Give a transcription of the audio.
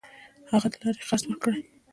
هغه د لارې خرڅ ورکړي.